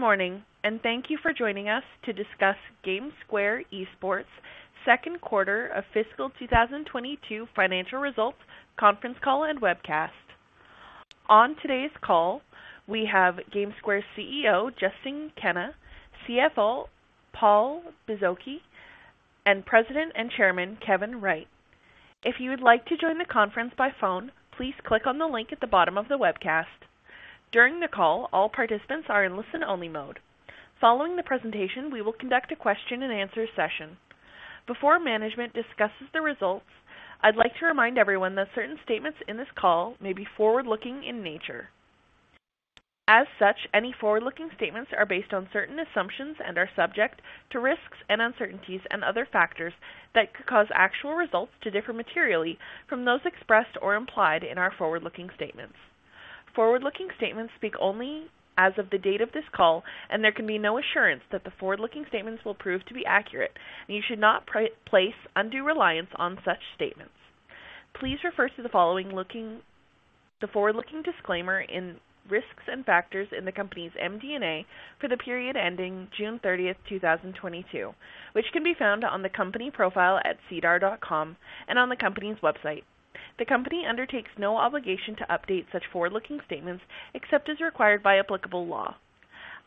Good morning, and thank you for joining us to discuss GameSquare Esports second quarter of fiscal 2022 financial results, conference call, and webcast. On today's call, we have GameSquare CEO, Justin Kenna, CFO Paul Bozoki, and President and Chairman Kevin Wright. If you would like to join the conference by phone, please click on the link at the bottom of the webcast. During the call, all participants are in listen-only mode. Following the presentation, we will conduct a question-and-answer session. Before management discusses the results, I'd like to remind everyone that certain statements in this call may be forward-looking in nature. As such, any forward-looking statements are based on certain assumptions and are subject to risks and uncertainties and other factors that could cause actual results to differ materially from those expressed or implied in our forward-looking statements. Forward-looking statements speak only as of the date of this call, and there can be no assurance that the forward-looking statements will prove to be accurate, and you should not place undue reliance on such statements. Please refer to the forward-looking disclaimer in Risks and Factors in the company's MD&A for the period ending June 30, 2022, which can be found on the company profile at sedar.com and on the company's website. The company undertakes no obligation to update such forward-looking statements except as required by applicable law.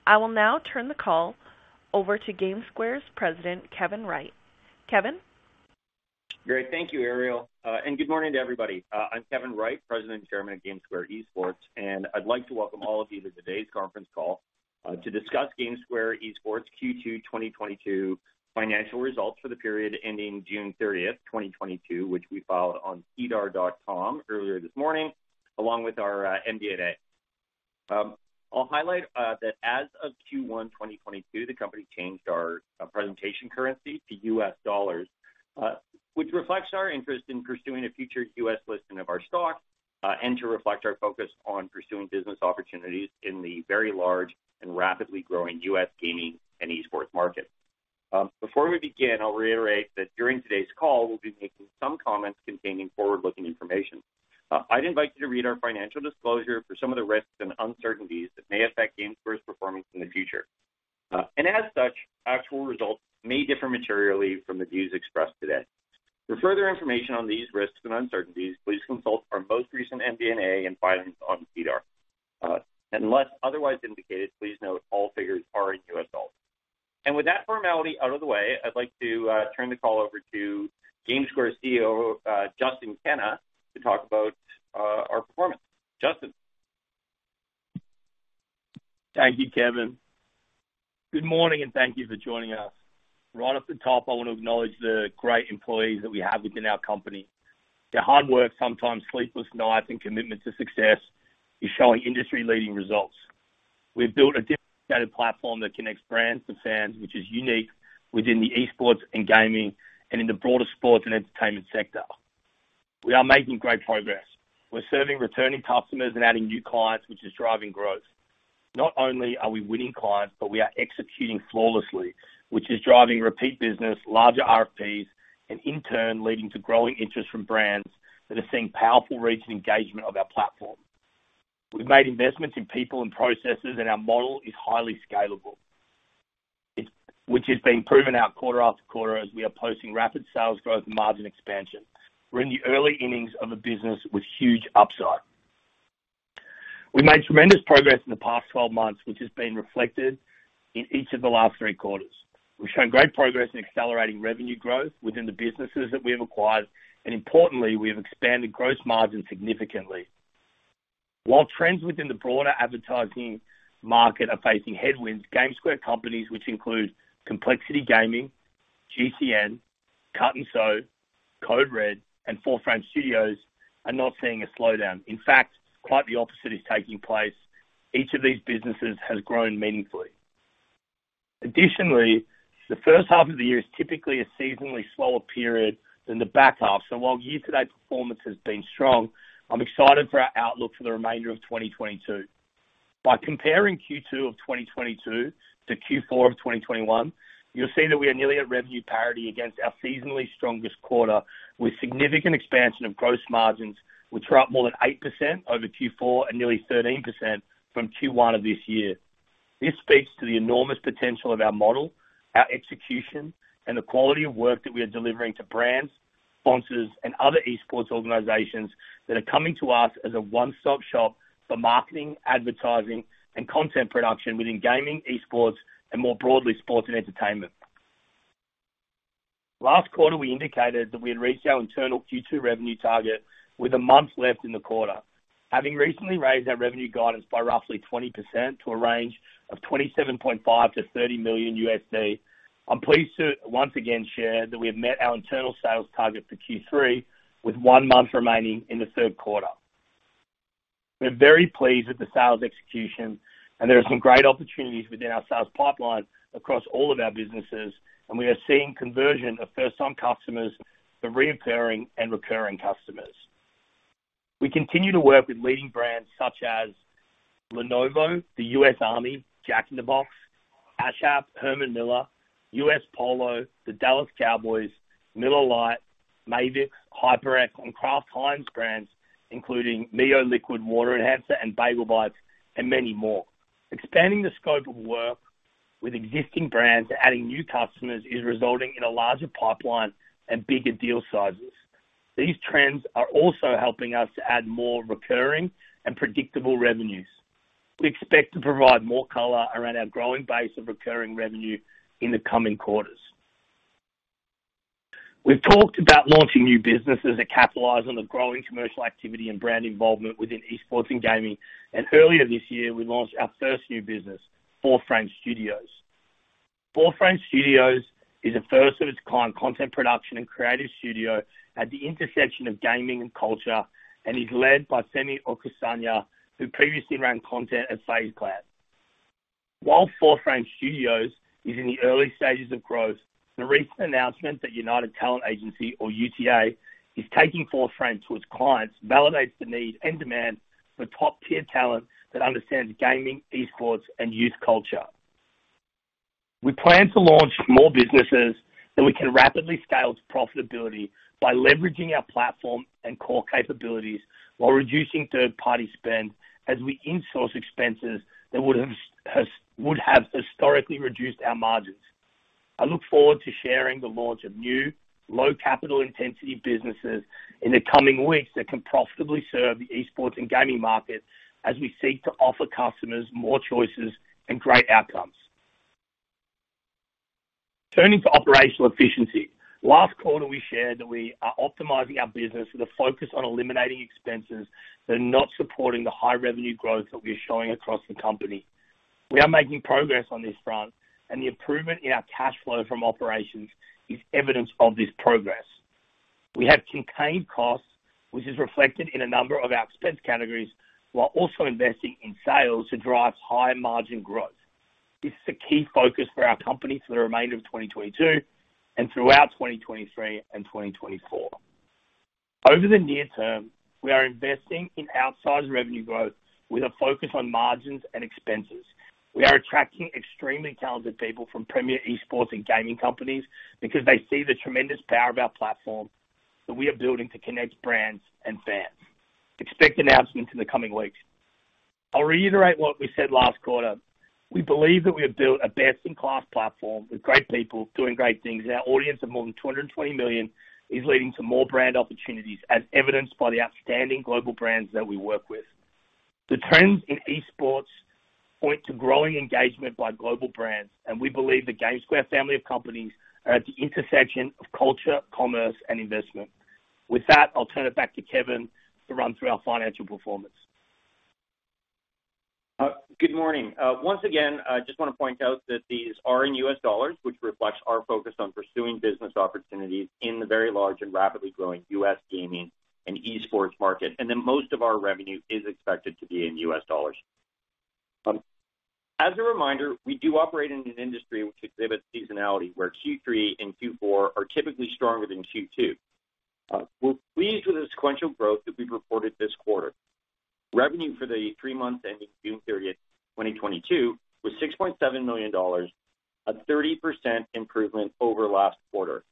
I will now turn the call over to GameSquare's President, Kevin Wright. Kevin? Great. Thank you, Ariel. And good morning to everybody. I'm Kevin Wright, President and Chairman of GameSquare Esports, and I'd like to welcome all of you to today's conference call to discuss GameSquare Esports Q2 2022 financial results for the period ending June 30, 2022, which we filed on sedar.com earlier this morning, along with our MD&A. I'll highlight that as of Q1 2022, the company changed our presentation currency to US dollars, which reflects our interest in pursuing a future U.S. Listing of our stock, and to reflect our focus on pursuing business opportunities in the very large and rapidly growing U.S. gaming and esports market. Before we begin, I'll reiterate that during today's call, we'll be making some comments containing forward-looking information. I'd invite you to read our financial disclosure for some of the risks and uncertainties that may affect GameSquare's performance in the future. As such, actual results may differ materially from the views expressed today. For further information on these risks and uncertainties, please consult our most recent MD&A and filings on SEDAR. Unless otherwise indicated, please note all figures are in U.S. dollars. With that formality out of the way, I'd like to turn the call over to GameSquare CEO Justin Kenna to talk about our performance. Justin? Thank you, Kevin. Good morning, and thank you for joining us. Right off the top, I want to acknowledge the great employees that we have within our company. Their hard work, sometimes sleepless nights, and commitment to success is showing industry-leading results. We've built a differentiated platform that connects brands to fans, which is unique within the esports and gaming and in the broader sports and entertainment sector. We are making great progress. We're serving returning customers and adding new clients, which is driving growth. Not only are we winning clients, but we are executing flawlessly, which is driving repeat business, larger RFPs, and in turn, leading to growing interest from brands that are seeing powerful reach and engagement of our platform. We've made investments in people and processes, and our model is highly scalable. Which is being proven out quarter after quarter as we are posting rapid sales growth and margin expansion. We're in the early innings of a business with huge upside. We've made tremendous progress in the past 12 months, which has been reflected in each of the last three quarters. We've shown great progress in accelerating revenue growth within the businesses that we have acquired, and importantly, we have expanded gross margin significantly. While trends within the broader advertising market are facing headwinds, GameSquare companies, which include Complexity Gaming, GCN, Cut+Sew, Code Red, and Fourth Frame Studios, are not seeing a slowdown. In fact, quite the opposite is taking place. Each of these businesses has grown meaningfully. Additionally, the first half of the year is typically a seasonally slower period than the back half. While year-to-date performance has been strong, I'm excited for our outlook for the remainder of 2022. By comparing Q2 of 2022 to Q4 of 2021, you'll see that we are nearly at revenue parity against our seasonally strongest quarter, with significant expansion of gross margins, which are up more than 8% over Q4 and nearly 13% from Q1 of this year. This speaks to the enormous potential of our model, our execution, and the quality of work that we are delivering to brands, sponsors, and other esports organizations that are coming to us as a one-stop shop for marketing, advertising, and content production within gaming, esports, and more broadly, sports and entertainment. Last quarter, we indicated that we had reached our internal Q2 revenue target with a month left in the quarter. Having recently raised our revenue guidance by roughly 20% to a range of $27.5-$30 million, I'm pleased to once again share that we have met our internal sales target for Q3 with one month remaining in the third quarter. We're very pleased with the sales execution, and there are some great opportunities within our sales pipeline across all of our businesses, and we are seeing conversion of first-time customers to reappearing and recurring customers. We continue to work with leading brands such as Lenovo, the U.S. Army, Jack in the Box, Herman Miller, U.S. Polo Assn., the Dallas Cowboys, Miller Lite, Mavix, HyperX, and Kraft Heinz brands, including MiO Liquid Water Enhancer and Bagel Bites and many more. Expanding the scope of work with existing brands, adding new customers is resulting in a larger pipeline and bigger deal sizes. These trends are also helping us to add more recurring and predictable revenues. We expect to provide more color around our growing base of recurring revenue in the coming quarters. We've talked about launching new businesses that capitalize on the growing commercial activity and brand involvement within esports and gaming. Earlier this year, we launched our first new business, Fourth Frame Studios. Fourth Frame Studios is the first of its kind content production and creative studio at the intersection of gaming and culture, and is led by Sammy Oukhasana, who previously ran content at FaZe Clan. While Fourth Frame Studios is in the early stages of growth, the recent announcement that United Talent Agency or UTA is taking Fourth Frame to its clients validates the need and demand for top-tier talent that understands gaming, esports, and youth culture. We plan to launch more businesses that we can rapidly scale to profitability by leveraging our platform and core capabilities while reducing third-party spend as we insource expenses that would have historically reduced our margins. I look forward to sharing the launch of new low capital intensity businesses in the coming weeks that can profitably serve the esports and gaming market as we seek to offer customers more choices and great outcomes. Turning to operational efficiency. Last quarter we shared that we are optimizing our business with a focus on eliminating expenses that are not supporting the high revenue growth that we are showing across the company. We are making progress on this front, and the improvement in our cash flow from operations is evidence of this progress. We have contained costs, which is reflected in a number of our expense categories, while also investing in sales to drive high-margin growth. This is a key focus for our company for the remainder of 2022 and throughout 2023 and 2024. Over the near term, we are investing in outsized revenue growth with a focus on margins and expenses. We are attracting extremely talented people from premier esports and gaming companies because they see the tremendous power of our platform that we are building to connect brands and fans. Expect announcements in the coming weeks. I'll reiterate what we said last quarter. We believe that we have built a best-in-class platform with great people doing great things, and our audience of more than 220 million is leading to more brand opportunities as evidenced by the outstanding global brands that we work with. The trends in esports point to growing engagement by global brands, and we believe the GameSquare family of companies are at the intersection of culture, commerce, and investment. With that, I'll turn it back to Kevin to run through our financial performance. Good morning. Once again, I just want to point out that these are in U.S. dollars, which reflects our focus on pursuing business opportunities in the very large and rapidly growing U.S. gaming and esports market, and then most of our revenue is expected to be in U.S. dollars. As a reminder, we do operate in an industry which exhibits seasonality, where Q3 and Q4 are typically stronger than Q2. We're pleased with the sequential growth that we've reported this quarter. Revenue for the three months ending June 30, 2022 was $6.7 million, a 30% improvement over last quarter.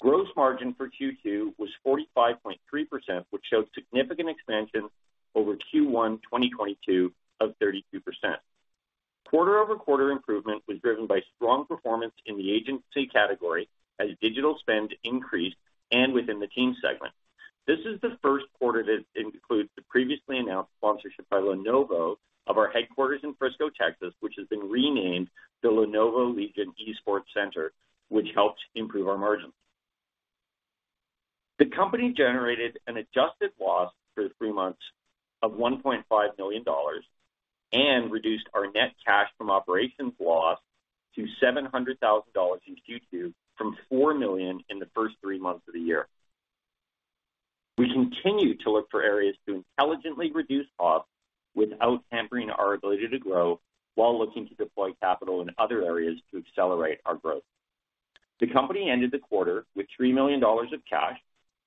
Gross margin for Q2 was 45.3%, which showed significant expansion over Q1, 2022 of 32%. Quarter-over-quarter improvement was driven by strong performance in the agency category as digital spend increased and within the team segment. This is the first quarter that includes the previously announced sponsorship by Lenovo of our headquarters in Frisco, Texas, which has been renamed the Lenovo Legion Esports Center, which helped improve our margins. The company generated an adjusted loss for the three months of $1.5 million and reduced our net cash from operations loss to $700,000 in Q2 from $4 million in the first three months of the year. We continue to look for areas to intelligently reduce costs without hampering our ability to grow while looking to deploy capital in other areas to accelerate our growth. The company ended the quarter with $3 million of cash,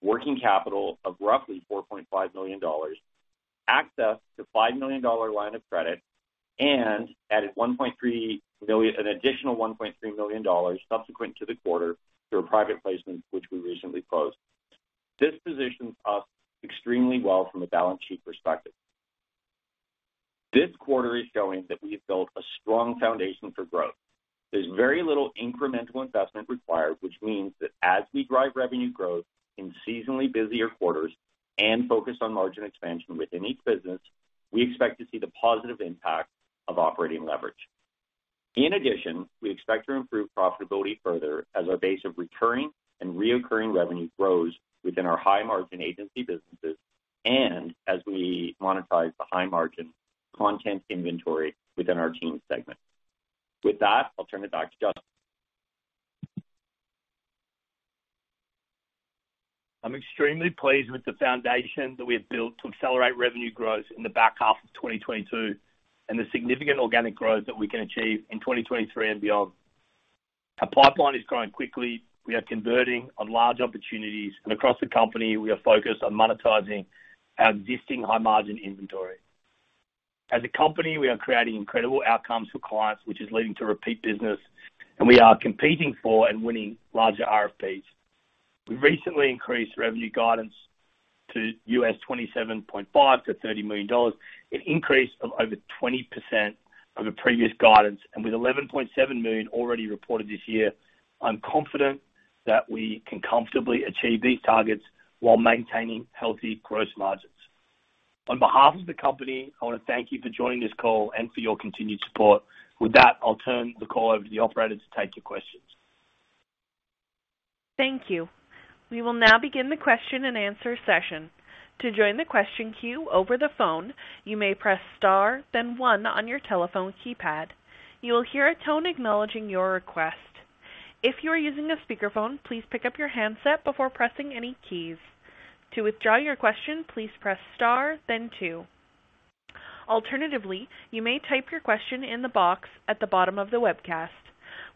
working capital of roughly $4.5 million, access to $5 million line of credit, and added $1.3 million, an additional $1.3 million dollars subsequent to the quarter through a private placement, which we recently closed. This positions us extremely well from a balance sheet perspective. This quarter is showing that we have built a strong foundation for growth. There's very little incremental investment required, which means that as we drive revenue growth in seasonally busier quarters and focus on margin expansion within each business, we expect to see the positive impact of operating leverage. In addition, we expect to improve profitability further as our base of recurring and reoccurring revenue grows within our high-margin agency businesses and as we monetize the high-margin content inventory within our teams segment. With that, I'll turn it back to Justin. I'm extremely pleased with the foundation that we have built to accelerate revenue growth in the back half of 2022 and the significant organic growth that we can achieve in 2023 and beyond. Our pipeline is growing quickly. We are converting on large opportunities, and across the company, we are focused on monetizing our existing high-margin inventory. As a company, we are creating incredible outcomes for clients, which is leading to repeat business, and we are competing for and winning larger RFPs. We recently increased revenue guidance to $27.5-$30 million, an increase of over 20% over previous guidance. With $11.7 million already reported this year, I'm confident that we can comfortably achieve these targets while maintaining healthy gross margins. On behalf of the company, I wanna thank you for joining this call and for your continued support. With that, I'll turn the call over to the operator to take your questions. Thank you. We will now begin the question and answer session. To join the question queue over the phone, you may press star, then one on your telephone keypad. You will hear a tone acknowledging your request. If you are using a speakerphone, please pick up your handset before pressing any keys. To withdraw your question, please press star then two. Alternatively, you may type your question in the box at the bottom of the webcast.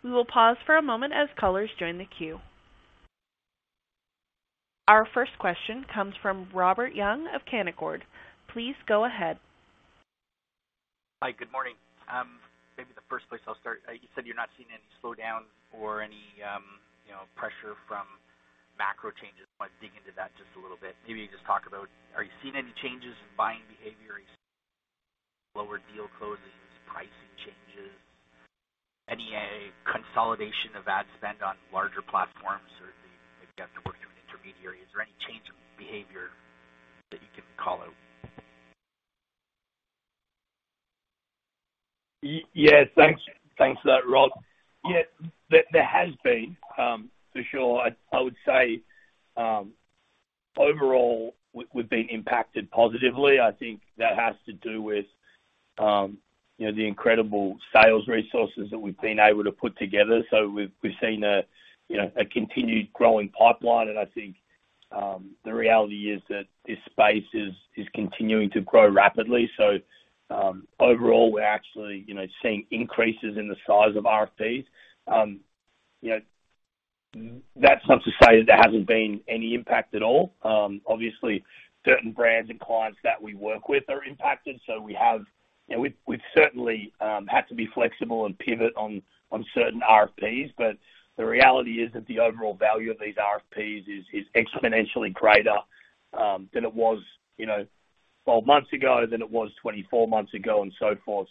We will pause for a moment as callers join the queue. Our first question comes from Robert Young of Canaccord Genuity. Please go ahead. Hi, good morning. Maybe the first place I'll start. You said you're not seeing any slowdown or any, you know, pressure from macro changes. I want to dig into that just a little bit. Maybe just talk about, are you seeing any changes in buying behavior, any lower deal closes, pricing changes, any, consolidation of ad spend on larger platforms, or maybe you have to work through an intermediary. Is there any change in behavior that you can call out? Yes. Thanks for that, Rob. Yeah, there has been for sure. I would say overall we've been impacted positively. I think that has to do with you know the incredible sales resources that we've been able to put together. We've seen you know a continued growing pipeline. I think the reality is that this space is continuing to grow rapidly. Overall, we're actually you know seeing increases in the size of RFPs. That's not to say that there hasn't been any impact at all. Obviously, certain brands and clients that we work with are impacted. We have you know we've certainly had to be flexible and pivot on certain RFPs. The reality is that the overall value of these RFPs is exponentially greater than it was 12 months ago, than it was 24 months ago, and so forth.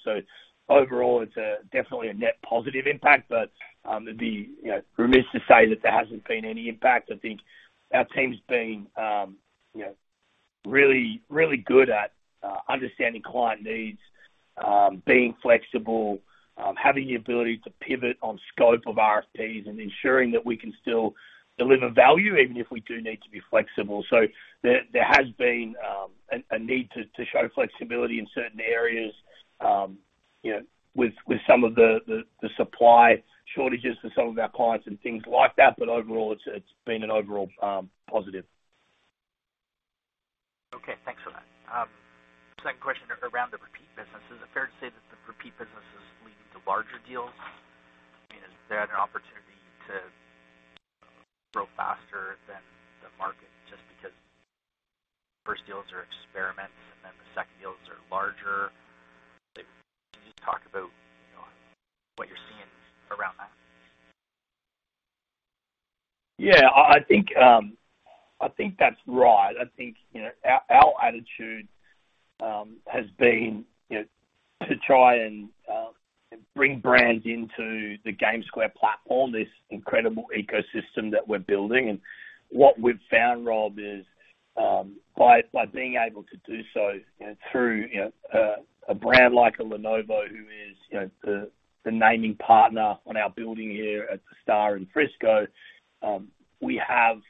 Overall, it's definitely a net positive impact. It'd be remiss to say that there hasn't been any impact. I think our team's been, you know, really good at understanding client needs, being flexible, having the ability to pivot on scope of RFPs and ensuring that we can still deliver value even if we do need to be flexible. There has been a need to show flexibility in certain areas, you know, with some of the supply shortages for some of our clients and things like that. Overall, it's been an overall positive. Okay. Thanks for that. Second question around the repeat business. Is it fair to say that the repeat business is leading to larger deals? I mean, has that an opportunity to grow faster than the market, just because first deals are experiments and then the second deals are larger? Like, can you talk about what you're seeing around that? Yeah, I think that's right. I think our attitude has been to try and bring brands into the GameSquare platform, this incredible ecosystem that we're building. What we've found, Rob, is by being able to do so through a brand like a Lenovo, who is the naming partner on our building here at The Star in Frisco, we have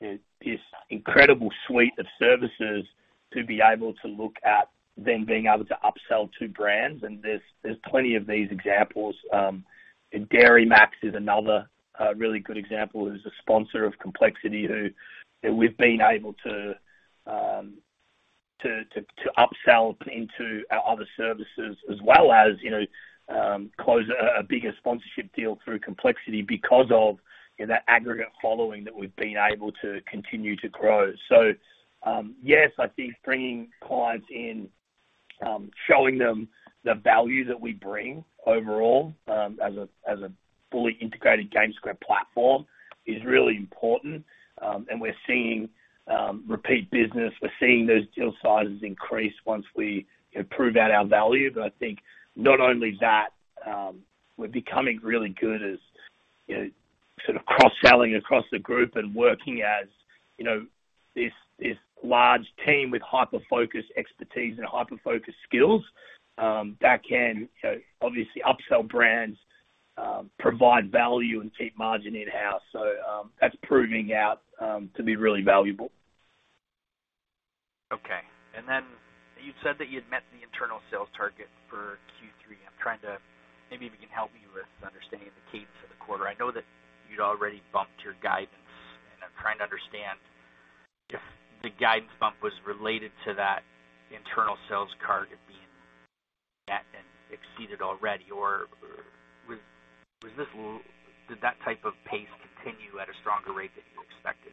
this incredible suite of services to be able to look at then being able to upsell to brands. There's plenty of these examples. Dairy MAX is another really good example, who's a sponsor of Complexity, who we've been able to to upsell into our other services as well as close a bigger sponsorship deal through Complexity because of that aggregate following that we've been able to continue to grow. Yes, I think bringing clients in, showing them the value that we bring overall, as a fully integrated GameSquare platform is really important. We're seeing repeat business. We're seeing those deal sizes increase once we prove out our value. I think not only that, we're becoming really good as, you know, sort of cross-selling across the group and working as this large team with hyper-focused expertise and hyper-focused skills that can obviously upsell brands, provide value, and keep margin in-house. That's proving out to be really valuable. Okay. Then you said that you had met the internal sales target for Q3. I'm trying to, maybe if you can help me with understanding the cadence of the quarter. I know that you'd already bumped your guidance, and I'm trying to understand if the guidance bump was related to that internal sales target being met and exceeded already or was this, did that type of pace continue at a stronger rate than you expected?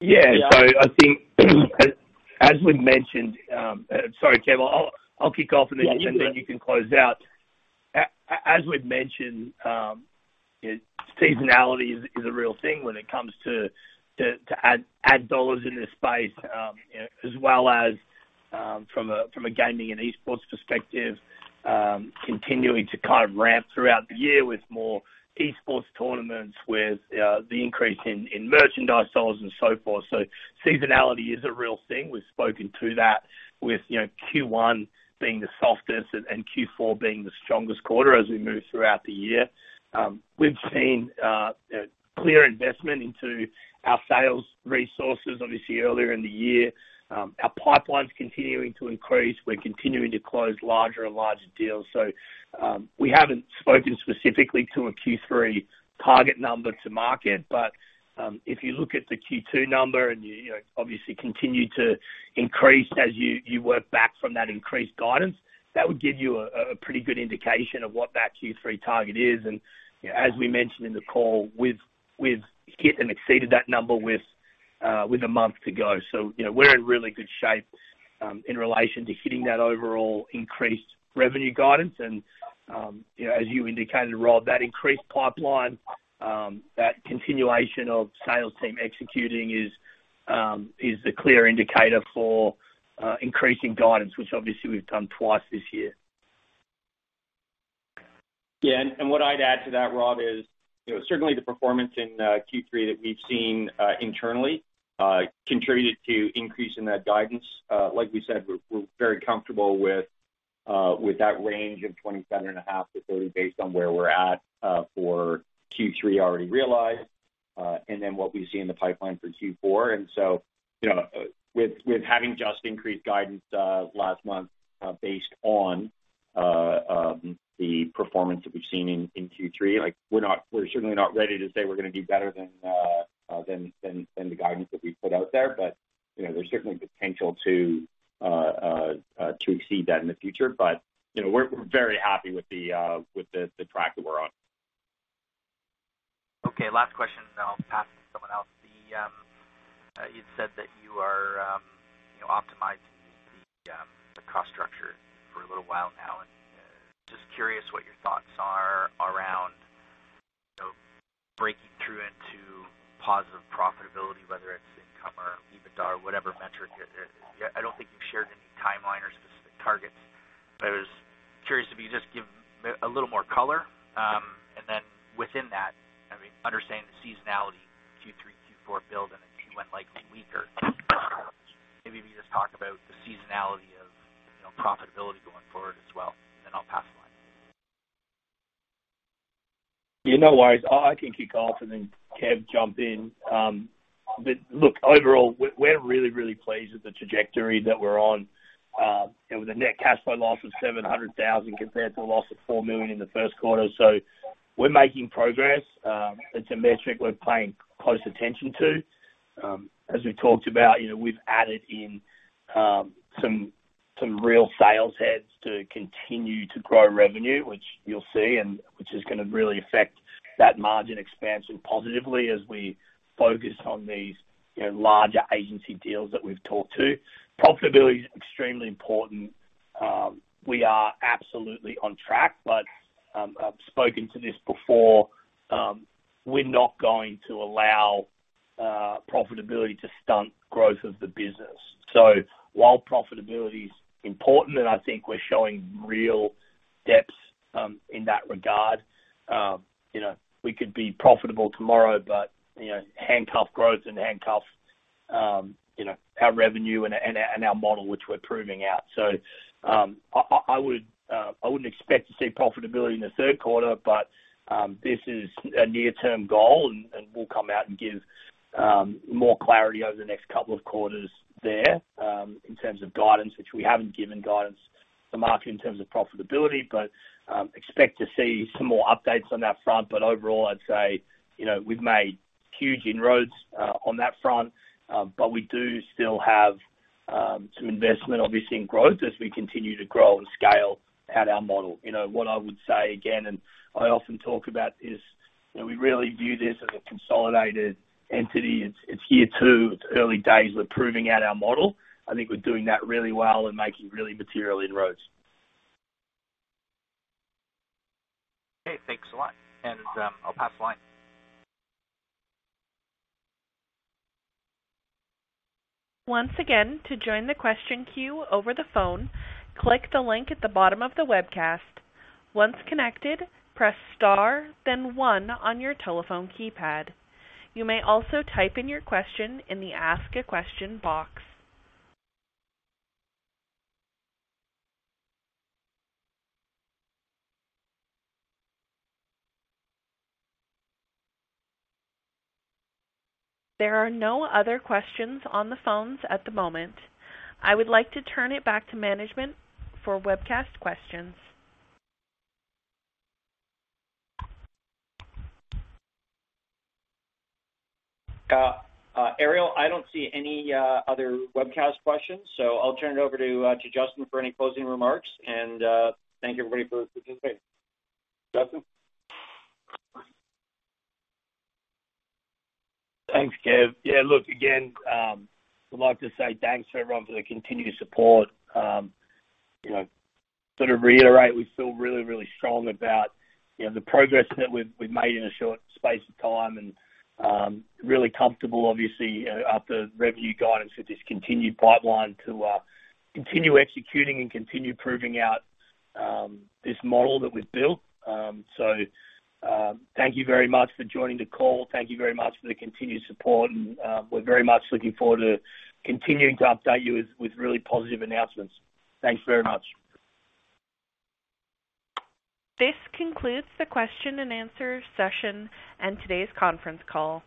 Yeah. I think as we've mentioned, sorry, Kev, I'll kick off and then you can close out. As we've mentioned, seasonality is a real thing when it comes to ad dollars in this space, as well as from a gaming and esports perspective, continuing to kind of ramp throughout the year with more esports tournaments, with the increase in merchandise sales and so forth. Seasonality is a real thing. We've spoken to that with Q1 being the softest and Q4 being the strongest quarter as we move throughout the year. We've seen clear investment into our sales resources, obviously earlier in the year. Our pipeline's continuing to increase. We're continuing to close larger and larger deals. We haven't spoken specifically to a Q3 target number to market. If you look at the Q2 number and you know obviously continue to increase as you work back from that increased guidance, that would give you a pretty good indication of what that Q3 target is. As we mentioned in the call, we've hit and exceeded that number with a month to go. We're in really good shape in relation to hitting that overall increased revenue guidance. As you indicated, Rob, that increased pipeline that continuation of sales team executing is a clear indicator for increasing guidance, which obviously we've done twice this year. Yeah. What I'd add to that, Rob, is certainly the performance in Q3 that we've seen internally contributed to increase in that guidance. Like we said, we're very comfortable with that range of 27.5-30 based on where we're at for Q3 already realized and then what we see in the pipeline for Q4. With having just increased guidance last month based on the performance that we've seen in Q3, like we're certainly not ready to say we're gonna do better than the guidance that we've put out there. There's certainly potential to exceed that in the future. We're very happy with the track that we're on. Okay, last question, and then I'll pass to someone else. You said that you are, you know, optimizing the cost structure for a little while now. Just curious what your thoughts are around breaking through into positive profitability, whether it's income or EBITDA or whatever metric. I don't think you've shared any timeline or specific targets, but I was curious if you could just give me a little more color. Within that, I mean, understanding the seasonality Q3, Q4 build, and then Q1, like weaker quarters. Maybe if you just talk about the seasonality of, you know, profitability going forward as well, then I'll pass the line. Yeah, no worries. I can kick off and then Kev jump in. Look, overall, we're really pleased with the trajectory that we're on. With a net cash flow loss of $700,000 compared to a loss of $4 million in the first quarter. We're making progress. It's a metric we're paying close attention to. As we talked about we've added in some real sales heads to continue to grow revenue, which you'll see, and which is gonna really affect that margin expansion positively as we focus on these larger agency deals that we've talked to. Profitability is extremely important. We are absolutely on track, but I've spoken to this before, we're not going to allow profitability to stunt growth of the business. While profitability is important, and I think we're showing real depth in that regard we could be profitable tomorrow, but you know, handcuff growth and our revenue and our model, which we're proving out. I wouldn't expect to see profitability in the third quarter, but this is a near-term goal. And we'll come out and give more clarity over the next couple of quarters there, in terms of guidance, which we haven't given guidance to the market in terms of profitability, but expect to see some more updates on that front. Overall, I'd say we've made huge inroads on that front, but we do still have some investment, obviously, in growth as we continue to grow and scale out our model. You know, what I would say again, and I often talk about this we really view this as a consolidated entity. It's year two. It's early days. We're proving out our model. I think we're doing that really well and making really material inroads. Okay. Thanks a lot. I'll pass the line. Once again, to join the question queue over the phone, click the link at the bottom of the webcast. Once connected, press star then one on your telephone keypad. You may also type in your question in the ask a question box. There are no other questions on the phones at the moment. I would like to turn it back to management for webcast questions. Ariel, I don't see any other webcast questions, so I'll turn it over to Justin for any closing remarks. Thank you everybody for participating. Justin? Thanks, Kev. Yeah, look, again, I'd like to say thanks to everyone for their continued support. Sort of reiterate, we feel really, really strong about the progress that we've made in a short space of time and really comfortable, obviously, up the revenue guidance with this continued pipeline to continue executing and continue proving out this model that we've built. So, thank you very much for joining the call. Thank you very much for the continued support and we're very much looking forward to continuing to update you with really positive announcements. Thanks very much. This concludes the question and answer session and today's conference call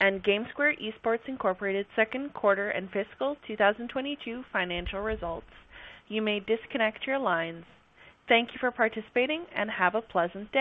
on GameSquare Holdings, Inc.'s second quarter and fiscal 2022 financial results. You may disconnect your lines. Thank you for participating and have a pleasant day.